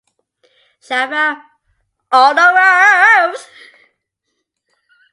Schaefer, all around!